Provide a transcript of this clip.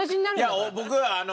いや僕はあの。